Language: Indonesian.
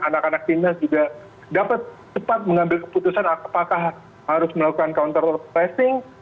anak anak timnas juga dapat cepat mengambil keputusan apakah harus melakukan counter tracing